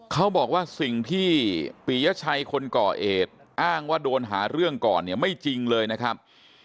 เขาบอกว่าสิ่งที่ปียชัยคนก่อเหตุอ้างว่าโดนหาเรื่องก่อนเนี่ยไม่จริงเลยนะครับ